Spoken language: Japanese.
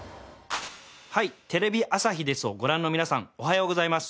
『はい！テレビ朝日です』をご覧の皆さんおはようございます。